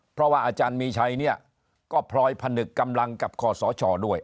เพราะว่าอาจารย์มีชัยเนี่ยก็พลอยผนึกกำลังกับคอสชด้วย